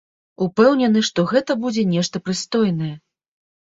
Упэўнены, што гэта будзе нешта прыстойнае.